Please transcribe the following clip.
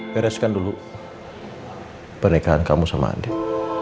bereskan dulu pernikahan kamu sama adik